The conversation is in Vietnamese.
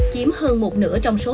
chiếm hơn một nửa trong số